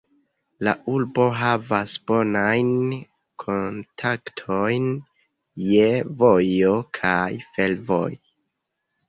La urbo havas bonajn kontaktojn je vojo kaj fervojo.